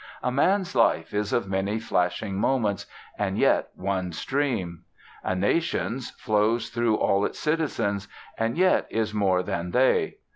A man's life is of many flashing moments, and yet one stream; a nation's flows through all its citizens, and yet is more than they.